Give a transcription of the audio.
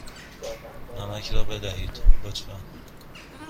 نمک را بدهید، لطفا.